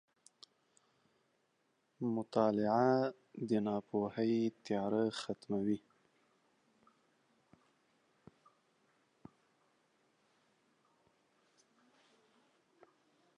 • مطالعه د ناپوهۍ تیاره ختموي.